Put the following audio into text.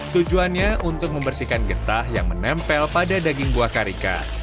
tujuannya untuk membersihkan getah yang menempel pada daging buah karika